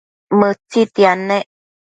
Mëtsitiad nec